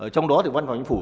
trong đó thì văn hóa chính phủ